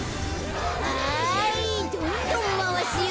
はいどんどんまわすよ。